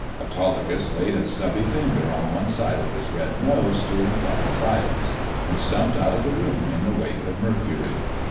Autolycus laid a stubby finger on one side of his red nose, to imply silence, and stumped out of the room in the wake of Mercury.